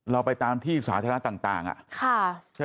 เราไปตามที่สาธารณะต่างใช่ไหม